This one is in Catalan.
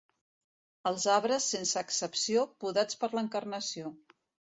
Els arbres, sense excepció, podats per l'Encarnació.